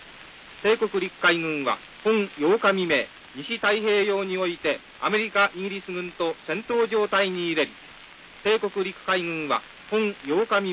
帝国陸海軍は本８日未明西太平洋においてアメリカイギリス軍と戦闘状態に入れり。